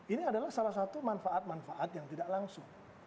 ini adalah salah satu manfaat manfaat yang tidak langsung